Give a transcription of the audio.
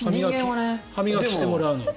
歯磨きしてもらうの。